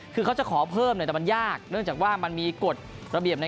คือเขาจะขอเพิ่มแต่มันยากเนื่องจากว่ามันมีกฎระเบียบ